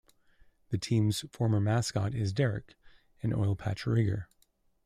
The team's former mascot is Derrick, an oilpatch rigger.